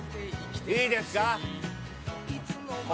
いいですか？